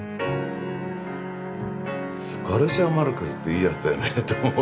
ガルシア・マルケスっていいやつだよねと思って。